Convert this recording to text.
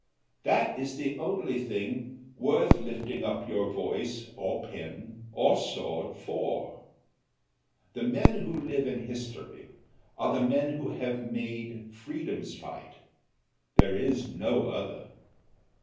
That is the only thing worth lifting up your voice, or pen, or sword for. The men who live in history are the men who have made freedom's fight there is no other.